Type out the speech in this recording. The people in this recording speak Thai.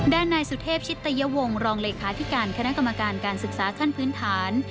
นายสุเทพชิตยวงศ์รองเลขาธิการคณะกรรมการการศึกษาขั้นพื้นฐาน